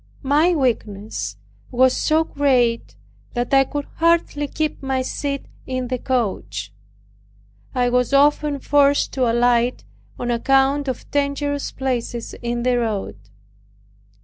My weakness was so great, that I could hardly keep my seat in the coach. I was often forced to alight, on account of dangerous places in the road.